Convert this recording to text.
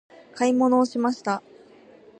買い物をしました。